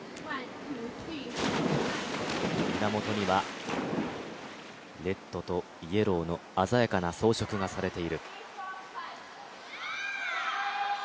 胸元にはレッドとイエローの鮮やかな装飾がされている。